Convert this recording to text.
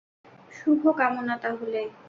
শুভ কামনা, তাহলে!